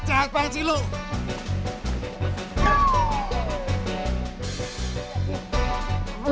cak banget sih lo